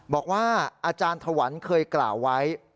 บอกว่าอาจารย์ถวันเคยกล่าวไว้